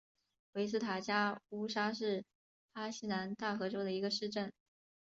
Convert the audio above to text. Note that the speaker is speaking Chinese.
维斯塔加乌沙是巴西南大河州的一个市镇。